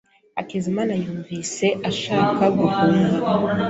Hakizimana yumvise ashaka guhunga.